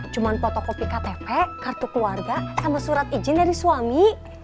cuma fotokopi ktp kartu keluarga sama surat izin dari suami